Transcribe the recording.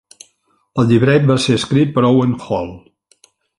El llibret va ser escrit per Owen Hall.